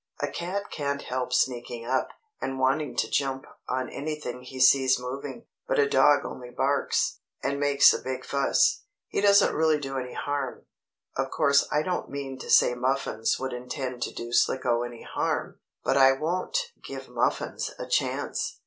"A cat can't help sneaking up, and wanting to jump on anything it sees moving. But a dog only barks, and makes a big fuss. He doesn't really do any harm. Of course I don't mean to say Muffins would intend to do Slicko any harm, but I won't give Muffins a chance."